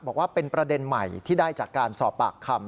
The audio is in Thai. บอกว่าเป็นประเด็นใหม่ที่ได้จากการสอบปากคำ